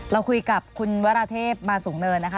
เราคุยกับคุณวราเทพมาสูงเนินนะคะ